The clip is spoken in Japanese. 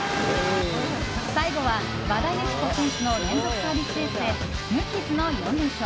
最後は和田由紀子選手の連続サービスエースで無傷の４連勝！